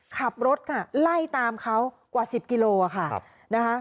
ขับรถไล่ตามเขากว่า๑๐กิโลกรัม